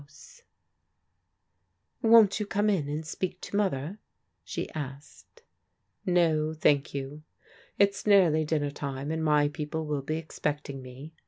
UNACCEPTABLE ADVICE 109 "Won't you come in and speak to Mother?*' she asked. "No, thank yotu It's nearly dinner time, and my people will be expecting me.